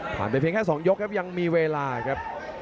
ไปเพียงแค่๒ยกครับยังมีเวลาครับ